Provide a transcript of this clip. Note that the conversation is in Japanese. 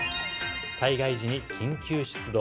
災害時に緊急出動。